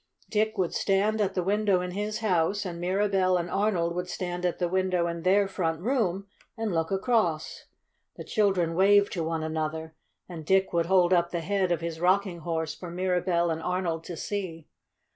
Dick would stand at the window in his house, and Mirabell and Arnold would stand at the window in their front room, and look across. The children waved to one another, and Dick would hold up the head of his Rocking Horse for Mirabell and Arnold to see.